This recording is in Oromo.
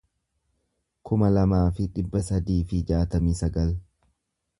kuma lamaa fi dhibba sadii fi jaatamii sagal